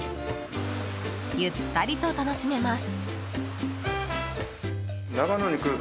ゆったりと楽しめます。